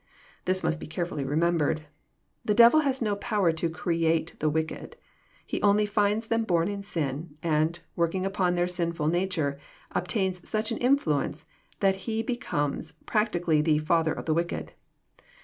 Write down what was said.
This must be carefully remembered. The devil has no power to " create" the wicked. He only finds them bom in sin, and, working upon their sinf\il nature, obtains such an Influence, that he become^ practically the " father of the wicked."